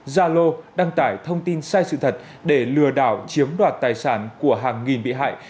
gia lô đăng tải thông tin sai sự thật để lừa đảo chiếm đoạt tài sản của hàng nghìn bị hại